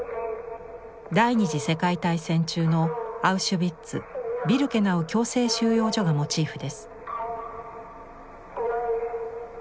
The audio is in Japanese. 第２次世界大戦中のアウシュビッツ＝ビルケナウ強制収容所がモチーフです。